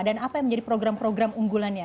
dan apa yang menjadi program program unggulannya